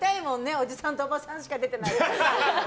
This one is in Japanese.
おじさんとおばさんしか出てないしさ。